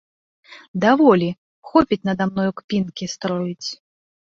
Даволі, хопіць нада мною кпінкі строіць.